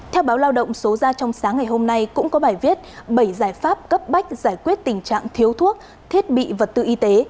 theo báo lao động số ra trong sáng ngày hôm nay cũng có bài viết bảy giải pháp cấp bách giải quyết tình trạng thiếu thuốc thiết bị vật tư y tế